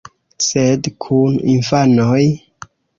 Sed kun infanoj?